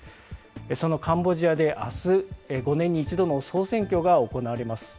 そのカンボジアであす、５年に１度の総選挙が行われます。